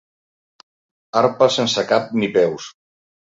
Arpa sense cap ni peus.